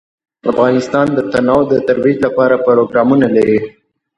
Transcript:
افغانستان د تنوع د ترویج لپاره پروګرامونه لري.